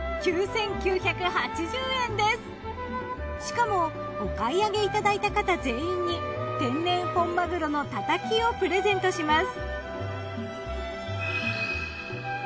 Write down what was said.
しかもお買い上げいただいた方全員に天然本まぐろのたたきをプレゼントします。